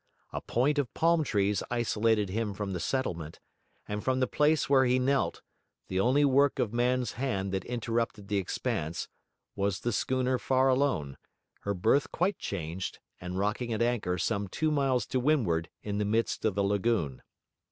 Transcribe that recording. A point of palm trees isolated him from the settlement; and from the place where he knelt, the only work of man's hand that interrupted the expanse, was the schooner Farallone, her berth quite changed, and rocking at anchor some two miles to windward in the midst of the lagoon.